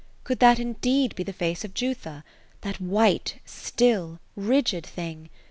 Could that indeed be the face of Jutha? — that white, still, rigid thing?